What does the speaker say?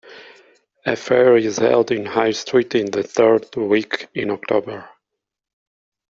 A fair is held in High Street in the third week in October.